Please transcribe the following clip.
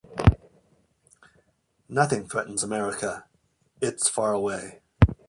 Nothing threatens America, it's far away.